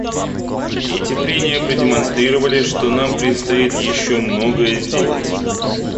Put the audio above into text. Эти прения продемонстрировали, что нам предстоит еще многое сделать.